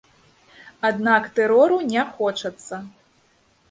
Аднак тэрору не хочацца.